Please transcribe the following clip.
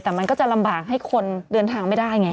แต่มันก็จะลำบากให้คนเดินทางไม่ได้ไง